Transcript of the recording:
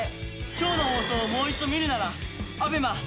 今日の放送をもう一度見るならＡＢＥＭＡＴＶｅｒで。